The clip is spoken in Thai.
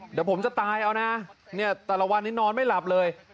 เดี๋ยวผมจะตายเอานะเนี่ยแต่ละวันนี้นอนไม่หลับเลย